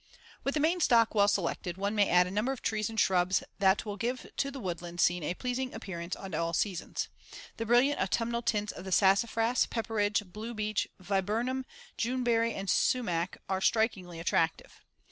With the main stock well selected, one may add a number of trees and shrubs that will give to the woodland scene a pleasing appearance at all seasons. The brilliant autumnal tints of the sassafras, pepperidge, blue beech, viburnum, juneberry and sumach are strikingly attractive.